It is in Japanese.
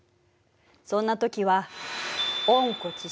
そんな時は「温故知新」。